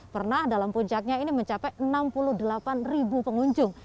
pernah dalam puncaknya ini mencapai enam puluh delapan ribu pengunjung